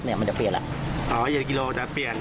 อ๋อเหยียบกิโลตาเปลี่ยน